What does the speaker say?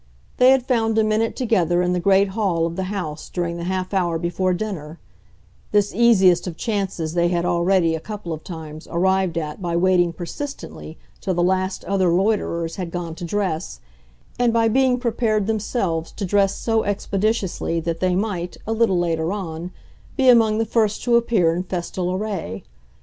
They had found a minute together in the great hall of the house during the half hour before dinner; this easiest of chances they had already, a couple of times, arrived at by waiting persistently till the last other loiterers had gone to dress, and by being prepared themselves to dress so expeditiously that they might, a little later on, be among the first to appear in festal array.